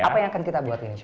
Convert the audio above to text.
apa yang akan kita buat ini